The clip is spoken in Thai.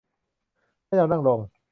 ให้เรานั่งลง